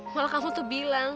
malah kamu tuh bilang